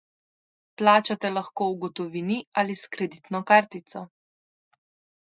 Plačate lahko v gotovini ali s kreditno kartico.